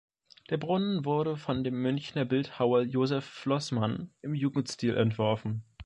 Der Brunnen wurde von dem Münchner Bildhauer Josef Flossmann im Jugendstil entworfen.